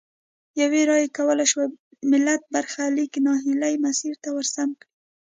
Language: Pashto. یوې رایې کولای شول ملت برخلیک نا هیلي مسیر ته ورسم کړي.